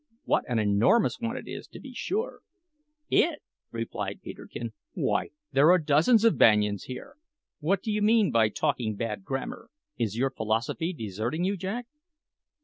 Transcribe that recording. What an enormous one it is, to be sure!" "It!" repeated Peterkin. "Why, there are dozens of banyans here! What do you mean by talking bad grammar? Is your philosophy deserting you, Jack?"